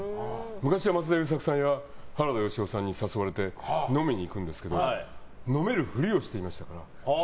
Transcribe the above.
昔は松田優作さんや原田芳雄さんに誘われて飲みに行くんですけど飲めるふりをしていました。